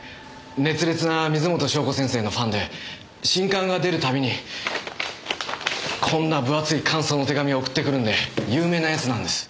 熱烈な水元湘子先生のファンで新刊が出る度にこんな分厚い感想の手紙を送ってくるんで有名な奴なんです。